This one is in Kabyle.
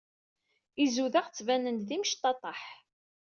Izudaɣ ttbanen-d d imecṭaṭṭaḥ.